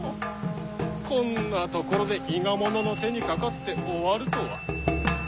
こんな所で伊賀者の手にかかって終わるとは。